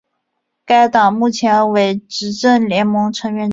该党目前为执政联盟成员之一。